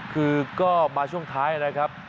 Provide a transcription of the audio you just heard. คือก็มาช่วงท้ายนะครับ